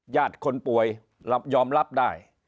ญาติคนป่วยยอมรับได้